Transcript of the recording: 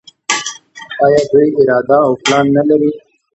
آیا دوی اراده او پلان نلري؟